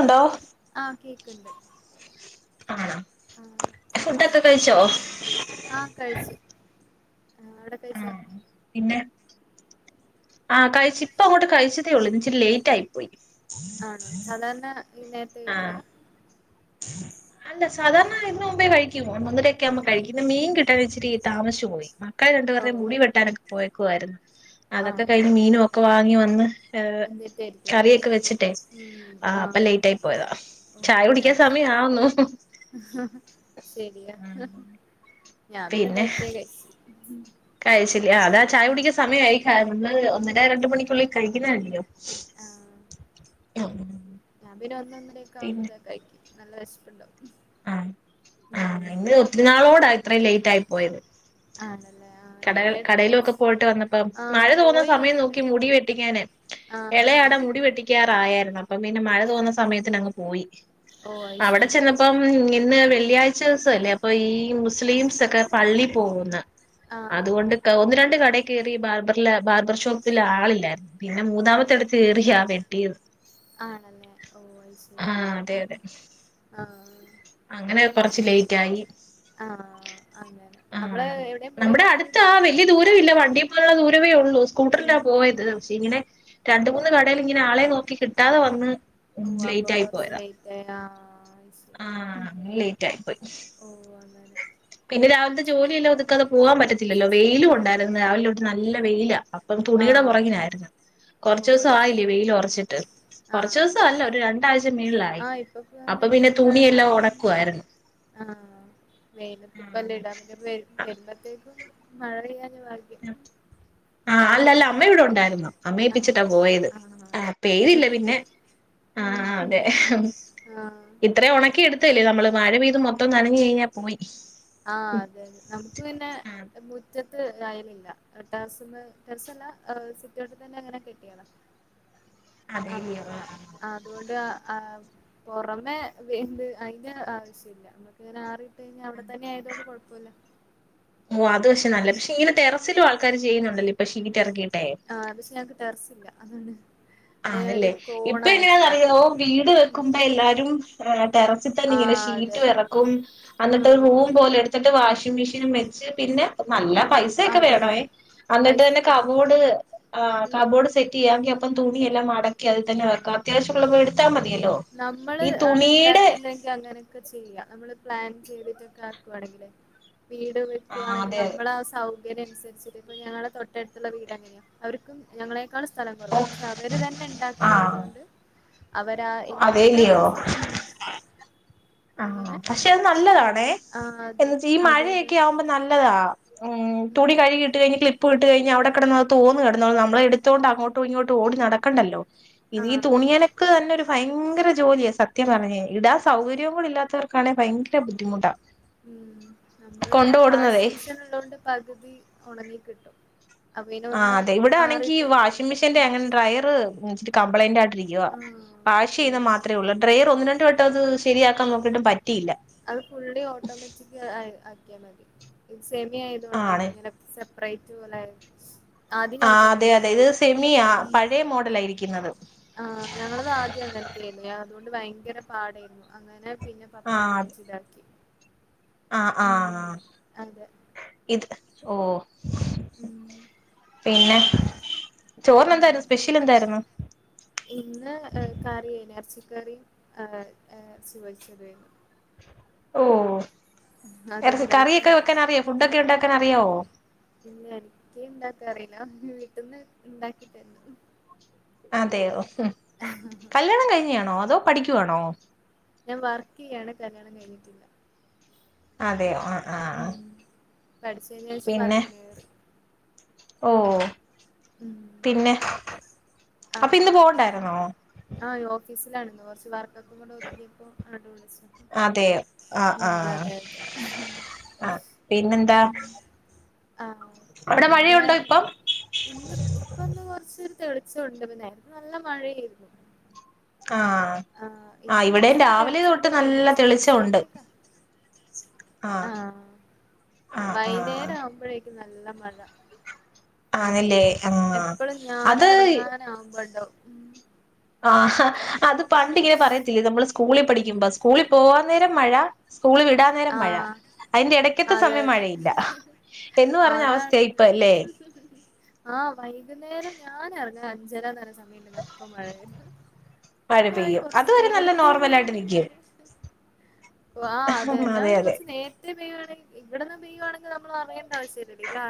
Hello ആഹ് കേക്ക്ണ്ട് ആഹ് പിന്നെ ആ കഴിച്ചു ആഹ് അവിടെ കഴിച്ചോ ആഹ് പിന്നെ ആഹ് കഴിച്ച് ഇപ്പ അങ്ങോട്ട് കഴിച്ചതേ ഉള്ളൂ ഇനിച്ചിരി ലേറ്റ് ആയി പോയി ആണോ സാധാരണ ഈ നേരത്തെ ആഹ് കഴിക്കാറ് അല്ല സാധാരണ ഇതിന് മുമ്പേ കഴിക്കും ഒന്ന് ഒന്നര ഒക്കെ ആവുമ്പ ഉം കഴിക്കും പിന്നെ മീൻ കിട്ടാൻ ഇച്ചിരി താമസിച്ചു പോയി മക്കളെ രണ്ട് പേരുടെ ഓഹ് മുടി വെട്ടാനൊക്കെ പോയേക്കുവായിരുന്നു അതൊക്കെ ആണല്ലേ കഴിഞ്ഞ് മീനും ഒക്കെ വാങ്ങി വന്ന് എന്നിട്ടായിരിക്കുംല്ലേ കറിയൊക്കെ ഇണ്ടാക്കിയെ വെച്ചിട്ടേ ഉം ആഹ് അപ്പൊ ലേറ്റ് ആയി പോയതാ ചായ ഓഹോ കുടി- ക്കാ ആയി സമയ ആകുന്നു ശരിയാ ഞാൻ പിന്നെ നേരത്തേ കഴിച്ചു കഴിച്ചില്ല ആഹ് അതാ ചായ ഉം കുടിക്ക സമയ ആയിന്ന് ഒന്നര രണ്ടു മണിക്കുള്ളിൽ കഴിക്കുന്നല്ലയോ ആഹ് ഞാൻ പിന്നെ ഒന്നൊന്നരക്കെ പിന്നെ ആവുമ്പോഴതേക്കും കഴിക്കും നല്ല വെസ്പുണ്ടോ ആ ആ ഇന്ന് ഒത്തിരി നാളോടായി ഇത്രയും ലേറ്റ് ആയി പോയത് ആണല്ലേ ആഹ് കട എല്ലാ കടയിലൊക്കെ പോയിട്ട് വന്നപ്പോ ആഹ് മഴ തോന്നുന്ന പോയി സമയം നോക്കി വന്നിണ്ടാക്കി മുടി വെട്ടിക്കാന് ആഹ് ഇളയാട മുടി വെട്ടിക്കാറായായിരുന്നു അപ്പം പിന്നെ മഴ തോരുന്ന സമയത്തിന് അങ്ങ് പോയി ഓ അത് അവിടെ ചെന്നപ്പം ഇന്ന് വെള്ളിയാഴ്ച ദിവസല്ലേ അപ്പൊ ഈ മുസ്ലിംസ് ഒക്കെ പള്ളി പോകുന്ന അതുകൊണ്ട് ആഹ് ഒന്ന് രണ്ട് കടേ കയറി ബാർബറില്ല ബാബർ ഷോപ്പ് ഷോപ്പിൽ ആളില്ലായിരുന്നു പിന്നെ ഓഹ് മൂന്നാമത്തെടുത്ത് കയറിയാ വെട്ടിയത് ആണല്ലേ ഓ അത് ശരി ആഹ് അതെ അതെ ആ അങ്ങനെ കൊറച്ച് ലേറ്റ് ആയി ആ ആ നമ്മുടെ അടുത്താ ആ കഴിഞ്ഞാച്ചാ വലിയ അതെ ദൂരമില്ല വണ്ടി പോവാള്ള ദൂരമേ ഉള്ളൂ സ്കൂട്ടറിലാ ഉം പോയത് പക്ഷേ ഇങ്ങനെ രണ്ട് മൂന്ന് കടേൽ ഇങ്ങനെ ആളെ നോക്കി കിട്ടാതെ വന്ന് ഓ അപ്പ ലേറ്റ് ആയി ബസ്സ് പോയതാ ലേറ്റ് ആയ ആഹ് അങ്ങനെ ലേറ്റ് ആയി പോയി ഓ അങ്ങനെ പിന്നെ രാവിലത്തെ ജോലിയെല്ലാം ഒതുക്കാതെ പോകാൻ പറ്റത്തില്ലല്ലോ വെയിലും ഉണ്ടായിരുന്നു രാവിലെ തൊട്ട് നല്ല വെയിലാ ഇപ്പം തുണിയുടെ ആഹ് പുറകിനായിരുന്നു കുറച്ച ഓ ദിവസം അത് ആയില്ലേ ശരി വെയിൽ ഉറച്ചിട്ട് കുറച്ച ദിവസം അല്ല ഒരു രണ്ടാഴ്ച മേൾലായി ഇൊ അങ്ങനെ തന്നെ മ [inaudible] ആ വെയിലത്തിപ്പെല്ലാം ഇടാ പിന്നെ വരുമ്പോത്തേക്കും മഴ പെയ്യാഞ്ഞാ- ആ അല്ലല്ല അമ്മ ഇവിടെ ഉണ്ടായിരുന്നു ആഹ് അമ്മയേപ്പിച്ചിട്ടാ പോയത് ആഹ് ആ അത് പെയ്തില്ല നന്നായി പിന്നെ അ ആ ഉം അതെ ആഹ് ഇത്രയും ഉണക്കി എടുത്തല്ലേ നമ്മള് മഴ പെയ്ത് മൊത്തം നനഞ്ഞ് കഴിഞ്ഞാൽ പോയി ആ അതെ നമുക്ക് പിന്നെ ആഹ് മുറ്റത്ത് ആയലില്ല ടെറസുമ്മേ ടെറസല്ല സിറ്റൗട്ട് തന്നെ അങ്ങനെ കെട്ടിയതാ അതേല്ലിയോ അപ്പോ ആഹ് ആ അതുകൊണ്ട് ആ പുറമെ വെയില് അതിന്റെ ആവശ്യമില്ല ഇങ്ങനെ ആറിയിട്ട കഴിഞ്ഞാ അവിടെ തന്നെ ആയത് കൊണ്ട് കുഴപ്പമില്ല ഓ അത് പക്ഷെ നല്ല പക്ഷെ ഇങ്ങനെ ടെറസിലും ആൾക്കാര് ചെയ്യുന്നുണ്ടല്ലേ ഇപ്പോ ആ പക്ഷെ ഞങ്ങക്ക് ടെറസില്ല അതാണ് അതിന് ആണല്ലേ ഒരു ഇപ്പൊ കോണായിട്ടുള്ളതാ എങ്ങനാന്നറിയോ വീട് ഉം വെക്കുമ്പോ എല്ലാരും ടെറസിൽ തന്നെ ഇങ്ങനെ ആഹ് അതെ ഷീറ്റ് ഇറക്കും എന്നിട്ട് ഉം റൂം പോലെ എടുത്ത് ഇന്നിട്ട് വാഷിംഗ് മെഷീനും വെച്ച് പിന്നെ നല്ല ഉം പൈസക്കെ അതെ വേണവേ. അതെ അത് അന്നിട്ടെന്നെ ശരി കബോഡ് ആഹ് ഉം കബോഡ് സെ യ്യാവ്ങ്കി അപ്പം തുണിയെല്ലാം മടക്കി അതിൽതന്നെ വെക്കാം അത്യാവശ്യള്ളത് എട്ത്താ മതിയല്ലൊ നമ്മള് ആണ് ഇണ്ടാക്ക്ന്ന എങ്കി അങ്ങനൊക്കെ ചെയ്യ നമ്മള് പ്ലാൻ ചെയ്ത്ട്ടൊക്കെ ആക്കുവാണെങ്കില്. വീട് ആഹ് വെക്കുവാണെങ്കി അതെ നമ്മ്ടാ സൗ ഇതിനൻസരിച്ച്ട്ട് ഇപ്പ ഞങ്ങളെ തൊട്ടട്ത്ത്ള്ള വീട് അങ്ങനെയ അവര്ക്കും ഞങ്ങളെക്കാൾ സ്ഥലം കൊറവ. പഷെ അവര് തന്നെ ഇണ്ടാക്കിയേത് ആഹ് കൊണ്ട് അവരാ എല്ലാം അതേല്ലിയോ ഉം ആഹ് എങ്ങനെ പഷെ അത് നല്ലതാണേ. ആ അതെ എന്ന്ച്ച ഈ അതെ അതെ മഴയെക്കെ അതെ ആഹ് ഉം തുണി കഴുകിട്ട് കഴിഞ്ഞ്ട്ട്ള്ളെ പോയിട്ട് കഴിഞ്ഞ അവ്ട കെടന്ന് തോന്ന് കെടന്നോളും ഞമ്മളെ എട്ത്തോണ്ട് അങ്ങോട്ടും ഇങ്ങോട്ടും ഓടി നടക്കണ്ടല്ലൊ ആ ഈ തുണിയലക്ക തന്നെ ഒര് ഭയങ്കര ജോലിയ സത്യം പറഞ്ഞ ഇടാ സൗകര്യ കൂടി ഇല്ലാത്തവർക്കാണെ ഭയങ്കര ബുദ്ധിമുട്ട ഉം നമ്മ്ള് പിന്നെ വാസി മിസീൻ ഇള്ളോണ്ട് പകുതി ഒണങ്ങി കിട്ടും അപ്പൊ പിന്നെ ആഹ് ഒന്ന് അതെ. ഇവടാണെങ്കി ആറിട്ട് തന്നെ മതി വാഷിംങ് മെഷ്യേന്റെ അങ്ങനെന്തൊ അയെ കമ്പളയ്ന്റായിട്ടിരിക്ക്വ ആ വാഷീയ്ന്ന ഓ മാത്രെ ഉള്ളു. ഡ്രയറ് ഒന്ന് രണ്ട് വട്ടത് ശരിയാക്കാം നോക്കീട്ട് പറ്റിയില്ല ച്ചക്ക് അ ആക്ക്യാ മതി ഇത് സെമി ആയതോണ്ടാണ് ആണ് ഇങ്ങനെ സെ പ്രയ്റ്റ് പോലെ ആദ്യം ഞങ്ങക്ക് ആഹ് അതെ അതെ ഇത് അങ്ങനെയായിരുന്നു സെമിയാ പഴേ മോഡലാ ഇരിക്ക്ന്നത് ആഹ് ഞങ്ങളത് ആദ്യം അങ്ങൻത്തേന്നു അതോണ്ട് ഭയങ്കര പാടെ രുന്നു അങ്ങനെ പിന്നെ പപ്പ അത് മാറ്റിതാക്കി ആഹ് ആഹ് ഇത് ഓഹ് ഉം പിന്നെ അം ചോറിനെന്തായിരുന്നു സ്പെഷ്യൽ എന്തായിരുന്നു ഇന്ന് ഏഹ് കറീ എർച്ചിക്കറിം എർച്ചി പൊര്ച്ചതെര്ന്നു ഓഹ് അത് എർചി. ഇന്നലെ കറിയൊക്കെ തന്നെ വെക്കാനറിയൊ ഫുഡ്ഡൊക്കെ ഉണ്ടാക്കാനറിയാവൊ പിന്ന എനിക്ക് ഇണ്ടാക്കറീല്ല വീട്ട്ന്ന് ഇണ്ടാക്കിത്തര്ന്നത് അതെയോ ഹും ഹ ഹ ഹ കല്യാണം കഴിഞ്ഞതാണോ അതൊ പഠിക്കുവാണൊ ഞാൻ വർക്ക് ചെയ്യാണ് കല്യാണം കഴിഞ്ഞിട്ടില്ല അതേ യോ ഒ ആഹ് ആ പഠിച്ചതിന്‌ശേഷം വർക്കിന് കേറി ഓഹ് ഉം പിന്നെ. അപ്പ ഇന്ന് ആഹ് പോവണ്ടാര്ന്നോ ആഹ് യോഫീസിലാണ്ന്ന് കൊർച്ച് വർ ഒക്ക കൂടെ ഒത്ങ്ങിയപ്പൊ അങ്ട്ട് വിളിച്ചെ അതെയോ ആ ഉം ആ അതെ അതെ ആ പിന്നെന്താ ഉം ആഹ് അവിടെ പിന്നേ മഴയുണ്ടോ ഇപ്പം ഇന്ന് ഇപ്പൊന്ന് കൊർച്ചൊര് തെളിച്ചൊണ്ട് നേര്ത്തെ നല്ല മഴയേര്ന്നു ആഹ് ആഹ് ഇപ്പ ഇവിടെയും കൊറ്ച്ചൊര് രാവിലെ തെളിച്ചം തൊട്ട് പോലണ്ട് നല്ല പക്ഷെ തെളിച്ചമുണ്ട് കൊറ്ച്ചെരത്തേക്ക ആഹ് ആഹ് ആഹ് വൈന്നേരവുമ്പഴേക്ക് നല്ല മഴ ആണ്ല്ലേ ആഹ് അത് നാവ്മ്പണ്ടാവും ആഹ് അത് പണ്ടിങ്ങനെ പറയത്തില്ലെ. നമ്മള് സ്കൂളി പഠിക്കുമ്പ സ്കൂളി പോവാൻ നേരം മഴ സ്കൂളിൽ വിടാ നേരം മഴ. ആഹ് അയിന്റെ എടയ്ക്കെത്ത അതെ സമയം അതെ മഴയില്ല എന്ന് പറഞ്ഞ അതാണിത് അവസ്ഥെയിപ്പല്ലെ ആഹ് വൈക്ന്നേരം ഞാനെറങ്ങ അഞ്ചര ന്നറയ്ന്ന സമയണ്ടെങ്കി അപ്പ മഴയാ മഴ പെയ്യും അത് വരെ നല്ല നോർമലായ്ട്ട് നിക്കും ഓ ആ അതെ ഞാൻ കുറച്ച് നേ ഇടവന്ന് പെയ്യു വാണെങ്കിൽ ഇവിട് ന്ന് ചെയ്യുവാണെങ്കിൽ നമ്മൾ അറിയേണ്ട ആവശ്യ ഇല്ല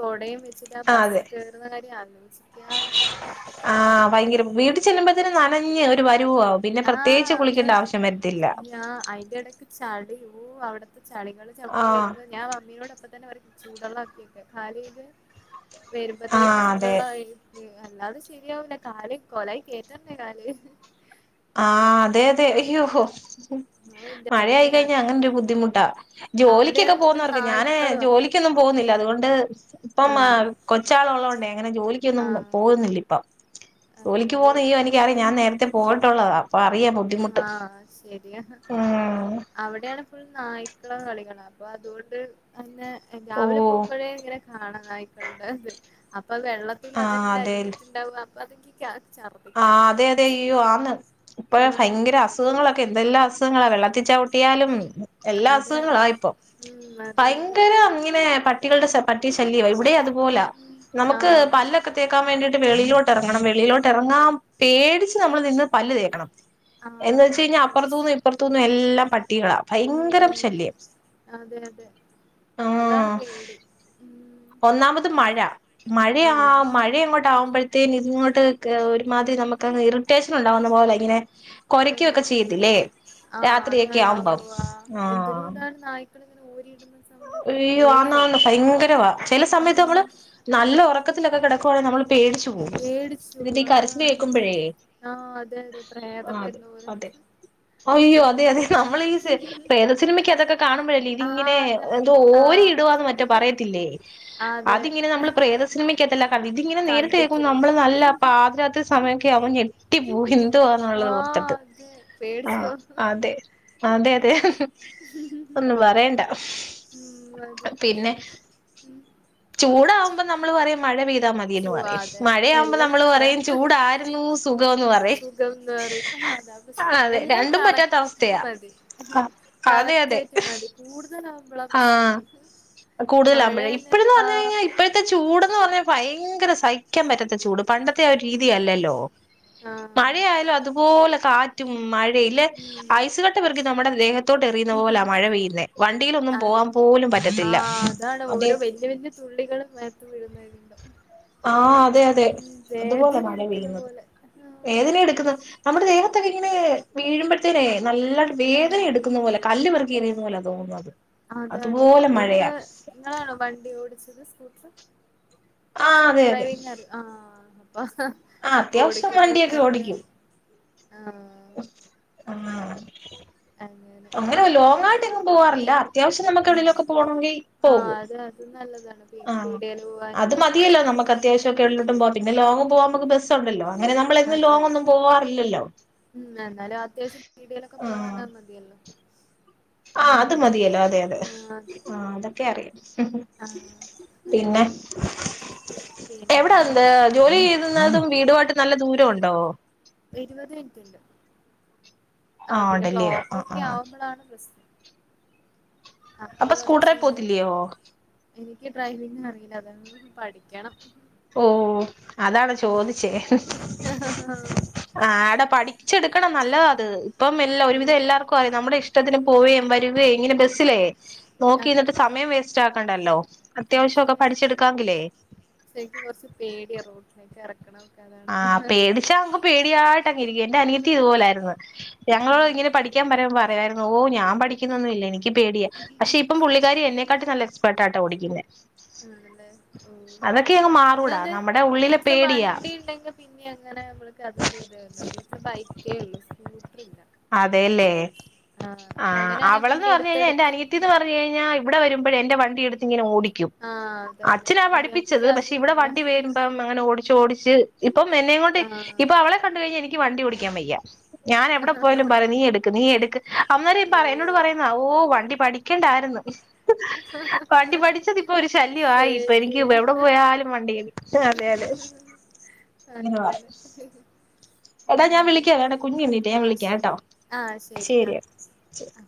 കൊടയും വെച്ചിട്ട് ആ ആഹ് ബസ് അതെ കേറുന്ന കാര്യം ആലോചിക്കാ വയ്യ ആഹ് ഭയങ്കര വീ ചെല്ലുമ്പതിന് നനഞ്ഞ് ഒരു പരുവോ ആകുംപിന്നെ പ്രത്യേകിച്ച് കുളിക്കേണ്ട ആവശ്യം വരത്തില്ല അയിന്റെടയ്ക്ക് ചളിവോ അവിടുത്തെ ചളികൾ ചവിട്ടി ആഹ് വരുമ്പോ ഞാൻ മമ്മിയോ ടപ്പം തന്നെ പറയും ചൂടള്ളാക്കിടവക്കാൻ കാല് കഴുകാൻ വരുമ്പത്തേക്ക് ആഹ് അതെ ചൂടള്ളായി- അല്ലാതെ ശെരിയാവുല കാല് കൊലായി കേറ്റണ്ടേ കാല് ആഹ് അതെ അതെ അയ്യോ ഔ ന്റെ മഴ അമ്മേ ആയികയിഞ്ഞ അങ്ങനെ ഒരു ബുദ്ധിമുട്ടാ ജോലിക്കൊക്കെ അവിടെയാണ് ഫുൾ പോകുന്നവർക്ക് ഞാനേ നായ്ക്കളുവാ ജോലിക്കൊന്നും പോകുന്നില്ല അതുകൊണ്ട് ഇപ്പം ആഹ് കൊച്ചാളു ഉള്ളതൊണ്ട് എങ്ങനെ ജോലിക്കൊന്നും ആഹ് പോവു ന്നില്ല ഇപ്പം ജോലിക്ക് അതുകൊണ്ട് പോകുന്ന എനിക്കറിയ ഞാൻ നേരത്തെ പോയി ട്ടുള്ളത അപ്പ അറിയാം ബുദ്ധിമുട്ട് ആഹ് ശരിയാ ഉം അവിടെയാണ് ഫുൾ നായ്ക്കളെ കളികളാ അപ്പൊ അതൊണ്ട് അന്ന് രാവിലെ ഓഹ് പോകുമ്പോൾ ഇപ്പഴേ ഇങ്ങനെ കാണ നായിക്കള് ടേത് അപ്പൊ വെള്ളത്തി ആഹ് തിലതെന്നെ അതെ അലിഞ്ഞിട്ട്ണ്ടാവ അപ്പൊ അത് ൻക്ക് ക്യാ ആഹ് അതെ അതെ അയ്യോ ആന്ന് ഇപ്പഴോ ഉം ഫയെങ്കെര അസുഖങ്ങളൊക്കെ എന്തെല്ലാം അസ് ഖങ്ങളാ വെള്ളെത്തി ചവിട്ടിയാലും എല്ലാം അതെ അസുഖങ്ങളാ അതെ ഇപ്പൊ ഉം അതെ അതെ ഭയങ്കര ഇങ്ങെനെ പ ട്ടികൾടെ പട്ടി ശല്യവാ ഇവിടെ അതുപോലാ ഉം നമുക്ക് ആഹ് പല ക്കെ തേക്കാം വേണ്ടീട്ട് വെളിയിലോട്ടെറെങ്ങണം വെളിയിലോട്ടെറെങ്ങാം പേടിച്ച് നമ്മള് നിന്ന് പല്ല് തേക്കണം ആഹ് എന്ന് വെച്ചയ്ഞ്ഞാ അതാ അപ്പർത്തൂന്ന് പ്രശ്നം ഇപ്പർ ത്തൂന്നും എല്ലാം പട്ടികളാ ഭയ്ങ്കരം ഉം ശല്യം അതെ അതെ ആഹ് ഉ ഒന്നാമത് മഴ മഴയാ മഴ ഇങ്ങോട്ടാവുമ്പഴ്ത്തേതേന് ഇതിങ്ങോട്ട് കേ ഒര് മാതിരി ആഹ് നമുക്കങ്ങ് ഇറിറ്റേഷനുണ്ടാവുന്ന പോലെ ഇങ്ങെനെ കൊരയ്ക്കൊക്കെ ആഹ് ചെയ്യത്തില്ലേ ആഹ് രാത്രി എക്കെ അതാണ് ആവുമ്പം ആഹ് ള്ങ്ങെനെ ഓരിട്ന്ന സ് അയ്യോ ആന്നാന്ന് ഭയങ്കരവാ ചെലെ സമെയെത്ത് നമ്മള് ഉം നല്ല ഉറക്കത്തിലൊക്കെ കെടക്കുവാണെ നമ്മള് പേടിച്ചു പോവും പേടിച്ചു ഇതിന്റെ ഈ കരച്ചില് അതാണ് കേക്കുമ്പഴേ ആഹ് അതെ അതെ പ്രേതം വെര്ന്നപോലെ അതെ അയ്യോ അതെ അതെ നമ്മളീ സ് പ്രേത സിനിമക്ക് അതൊക്കെ കാണ്‌മ്പഴല്ലേ ആഹ് ഇതിങ്ങെനെ അതെ എന്തോ ഓരി ആഹ് ഇടുവാന്ന് മറ്റോ പറയത്തില്ലേ അതെ അതിങ്ങെനെ നമ്മള് പ്രേതെ സിനിമെ ക്കാത്തെല്ലാം കണ്ടിട്ട് ഇങ്ങെനെ നേരിട്ട് കേക്കും കണ്ടിട്ടുണ്ട് നമ്മള് നല്ല പാതിരാത്രി സമയൊക്കെയാവുമ്പം ഞെ ട്ടി പോവും എന്തുവാന്നുള്ളെത് ആഹ് ഓർത്തിട്ട് അതെ ആഹ് പേടിച്ചോ ഉം അതെ അതെ അതെ ഒന്നും പറയണ്ട ഉം അതെ ഉം ചൂടാവും മ്പം നമ്മള് പറയും മഴ പെയ്താ മതീയെന്ന് പറയും ചുവാതെ മഴയാവുമ്പം എല്ലാം നമ്മള് കുറ്റാ പറയും ചൂടായ്ര്ന്നൂ സുഖവെന്ന് പറയും സുഖംന്ന് പറയും അതാ ആ പ്രസ്നം അതെ എല്ലാം രണ്ടും പറ്റാത്ത കറക്റ്റ്ന് അവസ്ഥയാ മതി അതെ അതെ കറക്റ്റായിറ്റ് മതി കൂടുതലാവുമ്പളാ പ്രസ്നം ആഹ് മഴെന്നെ ആഹ് ത്തെ ചൂട്ന്ന് പർഞ്ഞാ ഭയെങ്കെര സ് സഹിക്കാം പറ്റാത്ത ചൂട് പണ്ടെത്തെ ആ ഒര് ഉം രീതിയല്ലല്ലോ ആ മഴയായാലും അതുപോലെ കാ റ്റും മഴയില്ലേ ഉം അയ്സുകട്ട പെർക്കി നമ്മടെ ദേഹത്തോട്ട് എറിയുന്ന പോലാ മഴ പെയ്യ്ന്നെ വൻ ണ്ടീലൊന്നും ആ പോവാം പോലും പറ്റത്തില്ല അതെ തുള്ളികളും മേത്ത് വീഴ്ന്നയ്രിണ്ടാവും ആഹ് അതെ അതെ അതുപോലാ മഴ എടുക്കുന്ന പെയ്യ്ന്നത് പോലെ ആ വേദന എടുക്ക്ന്ന് നമ്മെടെ ദേഹത്താെക്കെ ഇങ്ങെനേ വീഴ്മ്പഴ്ത്തേനേ നല്ല ആ വേതന എട്ക്കുന്ന പോലെ കല്ല്പെറ്ക്കി എറിയുന്ന പോലാ തോന്നുന്നത് അതാണ് അതുപോലെ ഇന്ന് മഴയാ ഇ ങ്ങളാണോ വണ്ടി ഓടിച്ചത് സ്കൂട്ട്ർ ആ അതെ അതെ ഡ്രൈവിംങ്ങറ്യോ ആഹ് അപ്പ ആ അപ്പൊ അത്യാവശ്യം ഓടിക്കുമ്പോ വണ്ടിയൊക്കെ നല്ലറിയും ആഹ് ഉം അങ്ങനെ അങ്ങെനെ ലോങ്ങായിട്ട് എങ്ങും പോവാറില്ലാ അത്യാവശ്യം നമുക് എവ്ടേലൊക്കെ പോണാെങ്കി പോകും ത് നല്ലതാണ് പീ ആ പീട്യേല് പോവാനും ഒക്കെ ക്കെൽലോട്ടും പോവാ പിന്നെ ലോങ് പോവാൻ മ്ക്ക് ബെസ്സുണ്ടല്ലോ അങ്ങെനെ നമ്മളെന്നും അതെ അതെ ലോങ്ങാെന്നും പോവാറില്ലല്ലോ ഉം എന്നാലും അത്യാവശ്യം പീട്യേലൊക്കെ പോവാനത് മത്യല്ലോ ആഹ് അത് മതിയല്ലോ അതെ അതെ ആഹ് അതെ ആഹ് അതൊക്കെ അറിയാം ആഹ് പിന്നെ എവിടാ പിന്നെ ന്ത് ജോലി യ്യ്ത്‌ന്നതും വീടുവായിട്ട് നല്ല ദൂര ഉണ്ടോ ഇര്പത് മിൻറ്റ്ണ്ട് ആഹ് പിന്നെ ഉണ്ടല്ലയോ ആഹ് ബ്ലോക്കാെക്കെ ആഹ് ആവുമ്പളാണ് പ്രസ് അപ്പൊ സ്കൂട്ടറിൽ കൊറച്ച്ങ്ങെനെ പോത്തില്ലയോ താകും എനിക്ക് ഡ്രൈവിംഗറീലാ അതാണ് പഠിക്ക്യണം ഓഹ് അതാണോ ചോദിച്ചെ ഉം ആഹ് ആടെ പഠിച്ചെടുക്കണം നല്ലതാത് ഇപ്പം എല്ല ഒരുവിധം എല്ലാർ ക്കും അതേ നമ്മുടെ ഇഷ്ടത്തിന് പോവേം വരുവേം ഇങ്ങനെ ബെസ് സ്സിലേ നോക്കി അതെ നിന്നിട്ട് സമയം വേസ്റ്റാക്കണ്ടല്ലോ. അത്യാവശ്യ ഒക്കെ പഠിച്ചെടുക്കാങ്കിലേ ഷേ ൻക്ക് കൊർച്ച് പേടിയാ റോട്ടിലേക്ക് എറക്കണം ആഹ് പേടിച്ചാ നമക്ക് പേടിയായിട്ട് അങ്ങിരിക്കും. എന്റെ അനിയത്തി ഇതുപോലായ്ര്ന്ന്. ഞങ്ങളോ ഉം ഇങ്ങനെ പഠി ക്കാൻ പറയുമ്പോ പറയാര്ന്നു, ഓഹ് ഞാൻ പഠിക്കുന്നൊന്നുല്ല എനിക്ക് പേടിയാ പക്ഷെ പ്പ പുള്ളിക്കാരി എന്നെക്കാട്ടി നല്ല എക്സ് പെർട്ടാട്ടാ ഓടിക്കുന്നെ ആണല്ലേ. ഓഹ് അതൊക്കെ അങ്ങ് മാറൂടാ ഒന്നാന്ന് നമ്മുടെ ഉള്ളിലെ വീട്ടില് പേടിയാ വണ്ടിണ്ടെങ്കി പിന്നെ അങ്ങനെ നമ്മൾക്ക് അതൊരു ഇതേര്ന്നു. വീട്ടില് ബൈക്കേ ഉള്ളു സ്കൂട്ടർ ഇല്ല. അതെല്ലേ. അപ്പൊ ആഹ് അങ്ങനെയാണെ പിന്നെ അവളെന്ന് പറഞ്ഞഴിഞ്ഞാ എന്റെ എടുത്തെടുത്ത് അനിയത്തീന്ന് പർ ഞ്ഞഴിഞ്ഞാ ഇവിടെ വരുമ്പഴെന്റെ വണ്ടി എടുത്തിങ്ങനെ ഓടി ക്കും. ആഹ് അതാണ് അച്ഛനാ പഠിപ്പിച്ചത്. എനിക്ക് പക്ഷെ അതും ഇവിടെ ഇല്ല വണ്ടി വരുമ്പം അങ്ങനെ ഓടി ചോടിച്ച് ഇപ്പം എന്നെയും കൊണ്ട് ആഹ് ഇപ്പൊ അവളെ കണ്ട്കഴിഞ്ഞാ എനിക്ക് വണ്ടി ഓടിക്കാൻ വയ്യാ. ഞാൻ എവിടെ പോയാലും പറയും നീ എട്ക്ക് നീ എടുക് അന്നേരം ഓ പറയ് എന്നോട് പറയുന്നതാ. ഓഹ് വണ്ടി പഠിക്കണ്ടായിര്ന്ന്. വണ്ടി പഠിച്ചതിപ്പൊ ഒരു ശല്യവായി. ഇപ്പ എനിക്ക് ശരിയാ എവിടെ പോയാലും വണ്ടി എട് അങ്ങനെ എടാ ഞാൻ ഉം വിളിക്കാ. എടാ കുഞ്ഞെണീറ്റെ ഞാൻ ആഹ് വിളിക്കാം ട്ടോ. ആഹ് ശരി ആഹ് ശെരിയെടാ ആഹ്